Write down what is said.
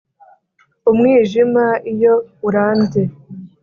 umwijima iyo urambye